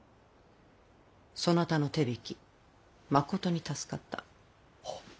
そなたの手引きまことに助かった。